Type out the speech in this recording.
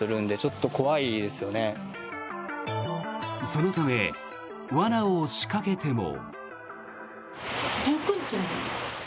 そのため、罠を仕掛けても。